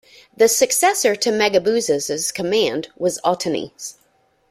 The successor to Megabazus's command was Otanes.